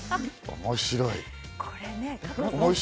面白い！